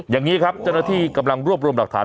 อย่างนี้ครับเจ้าหน้าที่กำลังรวบรวมหลักฐาน